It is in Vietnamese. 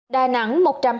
đà nẵng một trăm hai mươi sáu